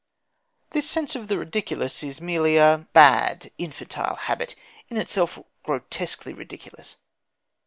This sense of the ridiculous is merely a bad, infantile habit, in itself grotesquely ridiculous.